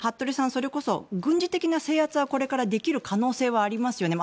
それこそ軍事的な制圧はこれからできる可能性はありますよね。